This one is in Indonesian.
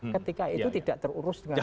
ketika itu tidak terurus dengan baik